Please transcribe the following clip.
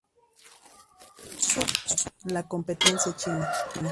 Sufren la competencia china.